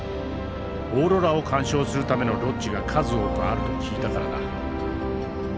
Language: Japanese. オーロラを観賞するためのロッジが数多くあると聞いたからだ。